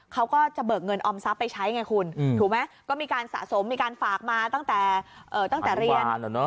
เขาก็จะเบิกเงินออมทรัพย์ไปใช้ไงคุณถูกไหมก็มีการสะสมมีการฝากมาตั้งแต่เรียน